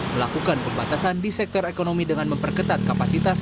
melakukan pembatasan di sektor ekonomi dengan memperketat kapasitas